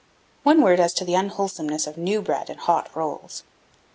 1678. One word as to the unwholesomeness of new bread and hot rolls.